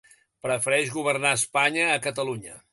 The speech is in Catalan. Prefereix governar Espanya a Catalunya.